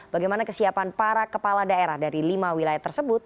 bagaimana kesiapan para kepala daerah dari lima wilayah tersebut